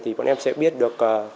thì bọn em sẽ biết được